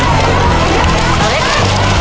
๓นาทีนะคะ